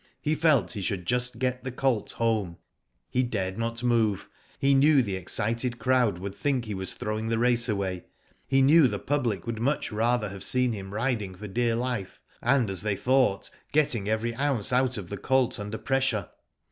He felt he should just get the colt home. He dared not move. He knew the excited crowd wouM think he was throwing Digitized byGoogk THE GHOST WINS, 271 the race away. He knew the public would much rather have seen him riding for dear life, and as they thought getting every ounce out of the colt under pressure.